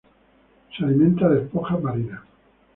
Se alimenta de esponjas marinas.